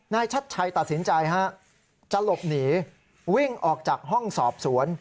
ชัดชัยตัดสินใจฮะจะหลบหนีวิ่งออกจากห้องสอบสวน